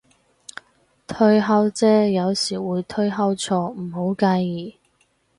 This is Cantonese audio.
推敲啫，有時會推敲錯，唔好介意